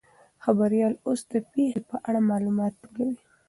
خبریال اوس د پیښې په اړه معلومات ټولوي.